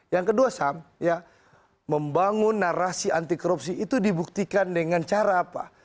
yang kedua sam membangun narasi anti korupsi itu dibuktikan dengan cara apa